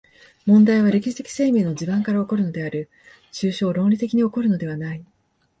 問題は歴史的生命の地盤から起こるのである、抽象論理的に起こるのではない。